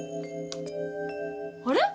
あれ？